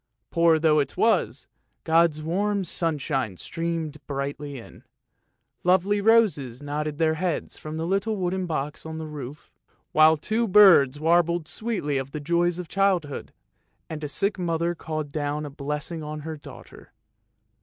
Poor though it was, God's warm sunshine streamed brightly in; lovely roses nodded their heads from the little wooden box on the roof, while two blue birds warbled sweetly of the joys of childhood, and the sick mother called down a blessing on her daughter.